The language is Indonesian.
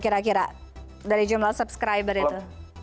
kira kira dari jumlah subscriber itu